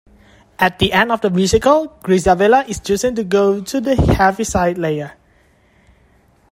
At the end of the musical, Grizabella is chosen to go the Heaviside Layer.